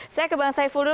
saya ke bang saiful dulu